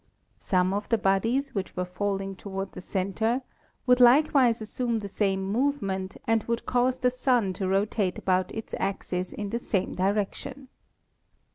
Some of the bodies which were falling toward the center would likewise assume the same movement and would cause the Sun to rotate about its axis in the same direction.